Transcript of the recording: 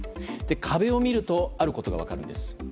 壁を見るとあることが分かるんです。